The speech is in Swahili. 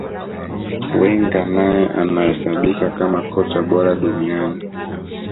Wenger naye anahesabika kama kocha bora duniani